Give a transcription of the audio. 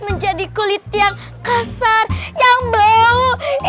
menjadi kulit yang kasar yang bau